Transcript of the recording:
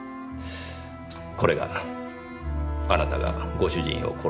これがあなたがご主人を殺す動機です。